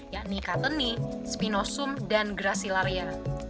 yakni kateni spinosum dan gracilaria